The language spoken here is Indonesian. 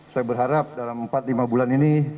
saya berharap dalam empat lima bulan ini